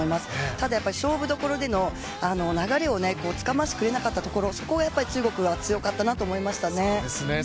ただやっぱり勝負どころでの流れをつかませてくれなかったところ、そこがやっぱり中国が強かったなと思いましたね。